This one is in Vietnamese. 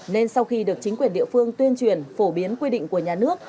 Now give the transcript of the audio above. nên sau khi được chính quyền địa phương tuyên truyền phổ biến quy định của nhà nước